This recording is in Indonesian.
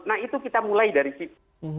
nah itu kita mulai dari situ